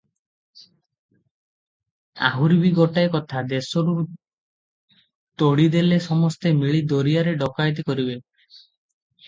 ଆହୁରି ବି ଗୋଟାଏ କଥା, ଦେଶରୁ ତଡ଼ି ଦେଲେ ସମସ୍ତେ ମିଳି ଦରିଆରେ ଡକାଏତି କରିବେ ।